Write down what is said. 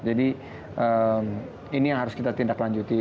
jadi ini yang harus kita tindak lanjuti